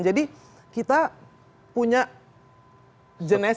jadi kita punya genesis